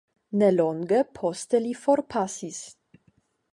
Ne longe poste li forpasis.